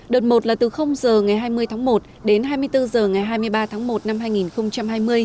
đợt một là từ h ngày hai mươi tháng một đến hai mươi bốn h ngày hai mươi ba tháng một năm hai nghìn hai mươi